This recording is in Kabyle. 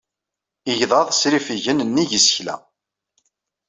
Igḍaḍ srifigen nnig isekla